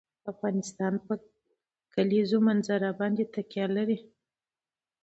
افغانستان په د کلیزو منظره باندې تکیه لري.